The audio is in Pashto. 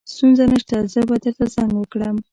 ستونزه نشته زه به درته زنګ وکړم